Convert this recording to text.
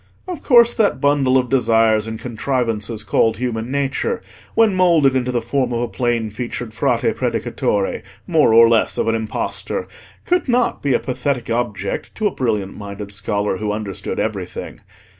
Of course that bundle of desires and contrivances called human nature, when moulded into the form of a plain featured Frate Predicatore, more or less of an impostor, could not be a pathetic object to a brilliant minded scholar who understood everything.